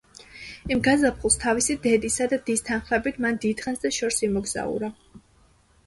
იმ გაზაფხულს, თავისი დედისა და დის თანხლებით, მან დიდხანს და შორს იმოგზაურა.